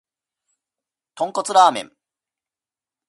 豚骨ラーメン